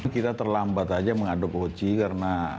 kita terlambat saja mengadopsi bohcia karena